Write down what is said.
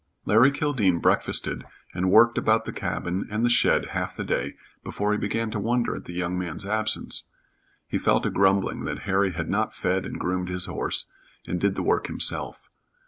Larry Kildene breakfasted and worked about the cabin and the shed half the day before he began to wonder at the young man's absence. He fell to grumbling that Harry had not fed and groomed his horse, and did the work himself.